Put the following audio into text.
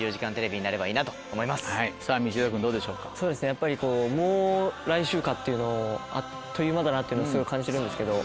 やっぱりこうもう来週かっていうのをあっという間だなっていうのをすごい感じてるんですけど